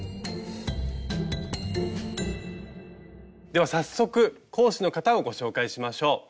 では早速講師の方をご紹介しましょう。